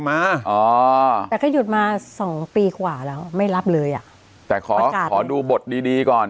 แต่ก็ยุดมาสองปีแล้วไม่รับเลยแต่ขอดูบทดีดีก่อน